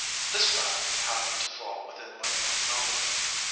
This fact happened to fall within my own knowledge.